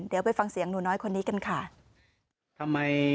เดี๋ยวไปฟังเสียงหนูน้อยคนนี้กันค่ะ